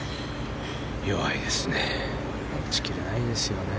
弱いですね。